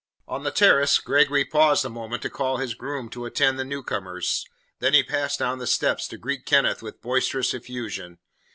On the terrace Gregory paused a moment to call his groom to attend the new comers, then he passed down the steps to greet Kenneth with boisterous effusion.